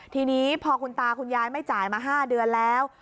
ทีนี้พอคุณตาคุณยายไม่จ่ายมา๕เดือนแล้ว